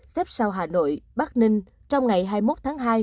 xếp sau hà nội bắc ninh trong ngày hai mươi một tháng hai